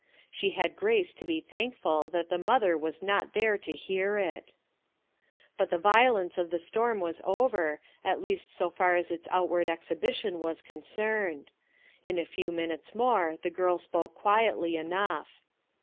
She had grace to be ujS that the mother was not there to hear it But the violence of the storm ^ over at least so far as its outward exhibition was con cerned. In a few minutes more the girl spoke quietly enough.